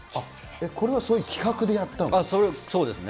これはそういう企画でやったそうですね。